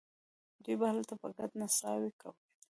دوی به هلته په ګډه نڅاوې کولې.